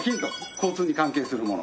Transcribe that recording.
交通に関係するもの。